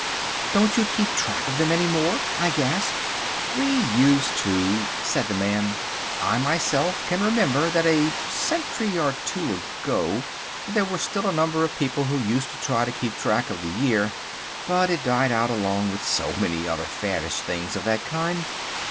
"Don't you keep track of them any more?" I gasped. "We used to," said the man. "I myself can remember that a century or two ago there were still a number of people who used to try to keep track of the year, but it died out along with so many other faddish things of that kind.